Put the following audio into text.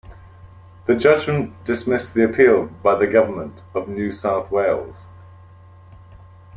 The judgment dismissed the appeal by the Government of New South Wales.